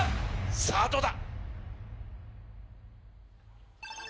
⁉さぁどうだ？